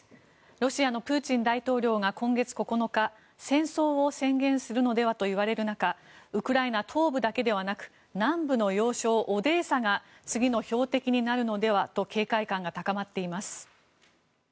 ロシアのプーチン大統領が今月９日戦争を宣言するのではと言われる中ウクライナ東部だけではなく南部の要衝オデーサが次の標的になるのではと警戒感が高まっています。